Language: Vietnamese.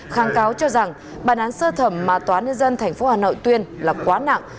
kháng cáo cho rằng bản án sơ thẩm mà tòa ninh dân tp hà nội tuyên là quá nặng